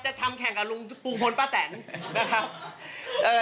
จะทำแข่งกับลุงพลป้าแต่นนะครับ